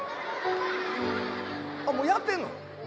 あっもうやってんの？